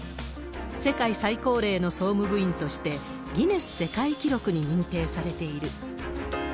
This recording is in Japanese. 世界最高齢の総務部員として、ギネス世界記録に認定されている。